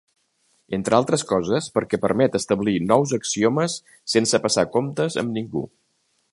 Entre altres coses perquè permet establir nous axiomes sense passar comptes amb ningú.